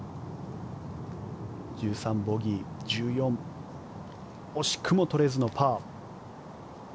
１３、ボギー１４、惜しくも取れずのパー。